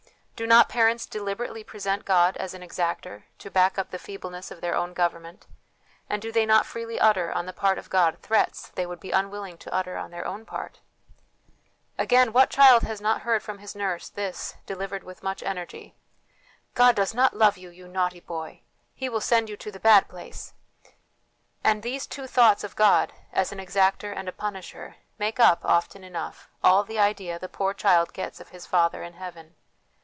Do not parents deliberately present God as an exactor, to back up the feebleness of their own government ; and do they not freely utter, on the part of God, threats they would be unwilling to utter on their own part ? Again, what child has not heard from his nurse this, delivered with much energy, ' God does not love you, you naughty boy ! He will send you to the bad place!' And these two thoughts of God, as an exactor and a punisher, make up, often enough, all the idea the poor child gets of his Father in heaven.